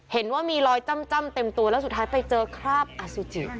เห็นว่ามีรอยจ้ำเต็มตัวแล้วสุดท้ายไปเจอคราบอสุจิ